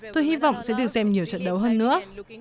tôi hy vọng sẽ được xem nhiều trận đấu hơn nữa